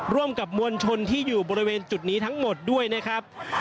ร่วมกับมวลชนที่อยู่บริเวณจุดนี้ทั้งหมดด้วยนะครับ